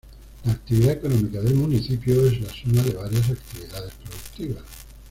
La actividad económica del Municipio es la suma de varias actividades productivas.